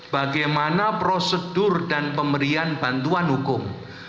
bagaimana prosedur dan pemberian bantuan hukum